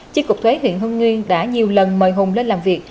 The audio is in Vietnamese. chi cục thuế huyện hưng nguyên đã nhiều lần mời hùng lên làm việc